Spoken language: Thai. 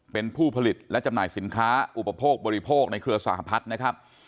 เป็นผู้ผลิตและจำหน่ายสินค้าอุปโภคบริโภคในเครือสหพัฒน์นะครับ